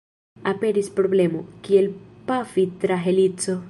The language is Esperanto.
Aperis problemo, kiel pafi tra helico.